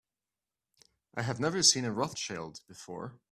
I have never seen a Rothschild before.